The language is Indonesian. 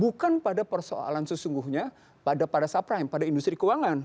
bukan pada persoalan sesungguhnya pada subrime pada industri keuangan